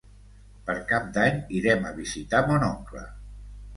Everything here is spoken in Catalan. Per Cap d'Any irem a visitar mon oncle.